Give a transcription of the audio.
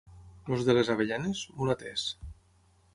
Els de les Avellanes, mulaters.